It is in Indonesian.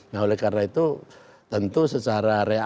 nah oleh karena itu tentu secara real